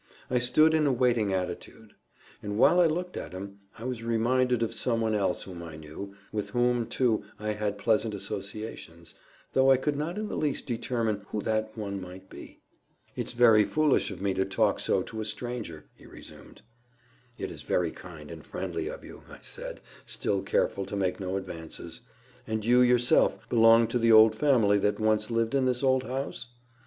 I stood in a waiting attitude. And while I looked at him, I was reminded of some one else whom I knew—with whom, too, I had pleasant associations—though I could not in the least determine who that one might be. "It's very foolish of me to talk so to a stranger," he resumed. "It is very kind and friendly of you," I said, still careful to make no advances. "And you yourself belong to the old family that once lived in this old house?"